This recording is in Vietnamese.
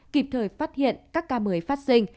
kịp thời phát hiện các ca mới phát sinh